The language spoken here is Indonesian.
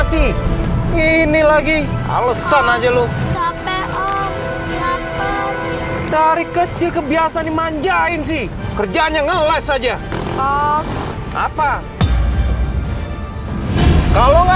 sih ini lagi alesan aja lu capek dari kecil kebiasa dimanjain sih kerjanya ngeles aja apa kalau nggak